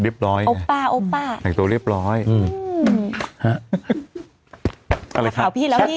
โอป้าโอป้าอย่างตัวเรียบร้อยหลับถอนพี่แล้วพี่